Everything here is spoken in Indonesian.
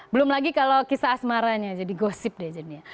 belum lagi kalau kisah asmaranya jadi gosip deh jadinya